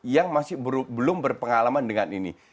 yang masih belum berpengalaman dengan ini